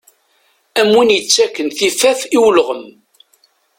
Am win yettakken tifaf i ulɣem.